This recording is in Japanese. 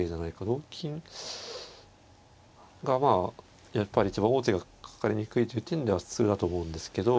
同金がまあやっぱり一番王手がかかりにくいという点では普通だと思うんですけど。